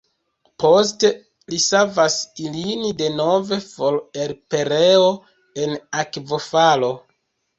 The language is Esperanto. Poste li savas ilin denove for el pereo en akvofalo.